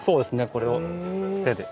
これを手で。